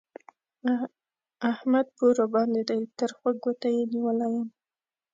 احمد پور راباندې دی؛ تر خوږ ګوته يې نيولی يم